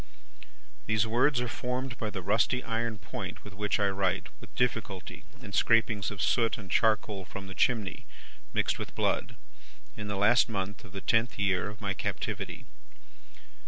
"These words are formed by the rusty iron point with which I write with difficulty in scrapings of soot and charcoal from the chimney, mixed with blood, in the last month of the tenth year of my captivity.